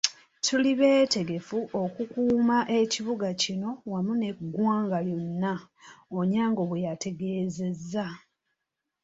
"Tuli beetegefu okukuuma ekibuga kino wamu n'eggwanga lyonna," Onyango bweyategeezezza.